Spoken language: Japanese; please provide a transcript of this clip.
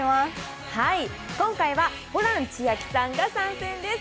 今回はホラン千秋さんが参戦です。